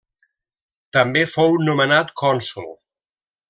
També fou nomenat cònsol.